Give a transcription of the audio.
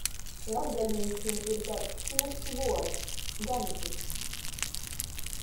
Latgalīšim ir taids šmuks vuords – gaņkys.